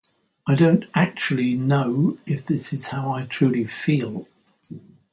I don't actually know if this is how I truly feel.